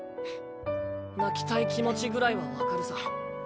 泣きたい気持ちぐらいは分かるさ。